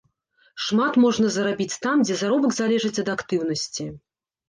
Шмат можна зарабіць там, дзе заробак залежыць ад актыўнасці.